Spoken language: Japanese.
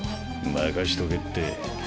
任しとけって。